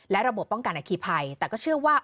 และระบบป้องกันอคีภัยแต่ก็เชื่อว่า